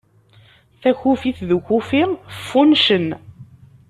Takufit d ukufi ffuncen.